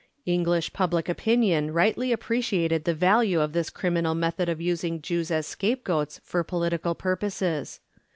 English public opinion rightly appreciated the value of this criminal method of using Jews as scapegoats for political purposes.